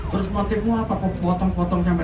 terus motifmu apa kok potong potong sampai